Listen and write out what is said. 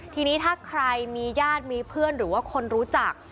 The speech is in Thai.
ทีนี้ถ้าใครมีญาติมีเพื่อนหรือว่าคนรู้จัก